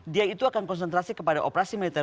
dia itu akan konsentrasi kepada operasi militer